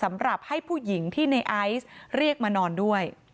สำหรับให้ผู้หญิงที่ในไอซ์เรียกมานอนด้วย